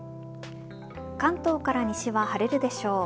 関東から西は晴れるでしょう。